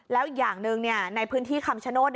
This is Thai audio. แล้วอีกอย่างหนึ่งในพื้นที่คำชโนธ